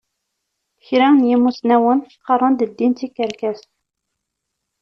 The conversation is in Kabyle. Kran n yimussnawen qqaṛen-d ddin d tikerkas.